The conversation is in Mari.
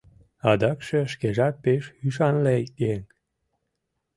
Адакше шкежат пеш ӱшанле еҥ.